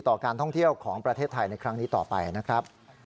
ต่อการท่องเที่ยวของประเทศไทยในครั้งนี้ต่อไปนะครับ